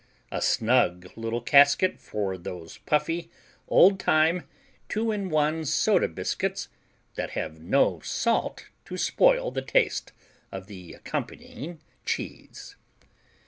A snug little casket for those puffy, old time, two in one soda biscuits that have no salt to spoil the taste of the accompanying cheese.